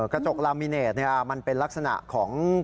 กระจกลามิเนตมันเป็นลักษณะของ